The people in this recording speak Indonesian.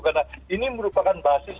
karena ini merupakan basis